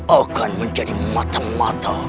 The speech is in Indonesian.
akan menjadi mata mata